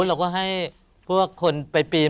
เราก็ให้พวกคนไปปีน